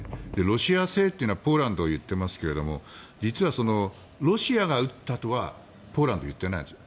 ロシア製というのはポーランドが言っていますけど実は、ロシアが撃ったとはポーランド、言ってないんです。